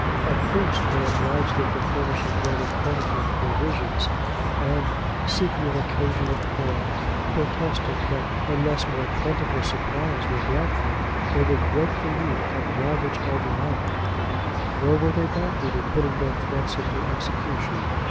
At first, they obliged them to furnish a greater quantity of provisions; and, seeking an occasion of quarrel, protested, that unless more plentiful supplies were brought them, they would break the league, and ravage all the island; nor were they backward in putting their threats into execution.